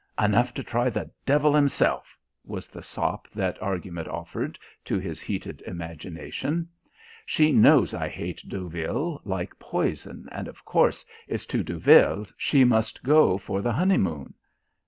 "Enough to try the devil himself," was the sop that argument offered to his heated imagination. "She knows I hate Deauville like poison, and of course it's to Deauville she must go for the honeymoon.